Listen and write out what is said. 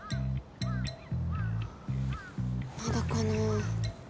まだかなぁ。